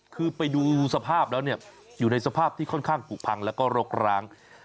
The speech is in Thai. คือไปดูสภาพแล้วเนี่ยอยู่ในสภาพที่ค่อนข้างผูกพังแล้วก็รกร้าง